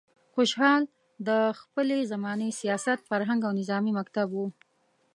خوشحال د خپلې زمانې سیاست، فرهنګ او نظامي مکتب و.